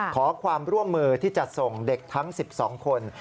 ขอความร่วมมือที่จะส่งเด็กทั้ง๑๒คน